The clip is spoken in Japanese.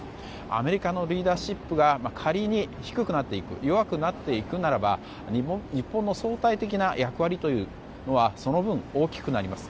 アメリカのリーダーシップが仮に低くなって弱くなっていくならば日本の相対的な役割はその分大きくなります。